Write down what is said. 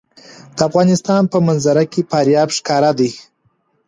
د افغانستان په منظره کې فاریاب ښکاره ده.